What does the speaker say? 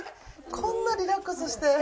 こんなリラックスして。